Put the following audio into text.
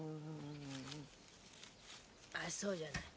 あそうじゃない。